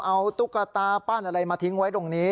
เอาตุ๊กตาปั้นอะไรมาทิ้งไว้ตรงนี้